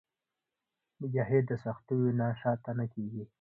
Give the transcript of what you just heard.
مجاهد د سختیو نه شاته نه کېږي.